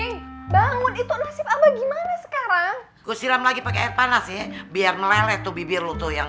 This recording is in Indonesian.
gimana sekarang gue silam lagi pakai air panas ya biar meleleh tuh bibir lu tuh yang